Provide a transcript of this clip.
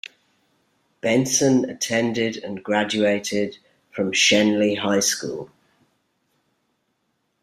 Benson attended and graduated from Schenley High School.